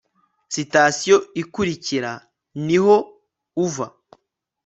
sitasiyo ikurikira niho uva